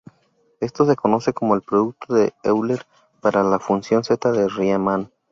Esto se conoce como el producto de Euler para la función zeta de Riemann.